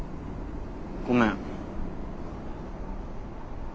ごめん。